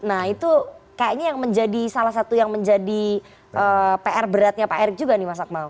nah itu kayaknya yang menjadi salah satu yang menjadi pr beratnya pak erik juga nih mas akmal